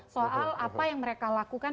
soal apa yang mereka lakukan